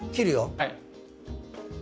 はい。